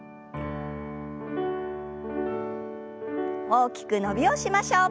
大きく伸びをしましょう。